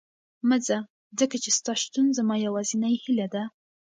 مه ځه، ځکه چې ستا شتون زما یوازینۍ هیله ده.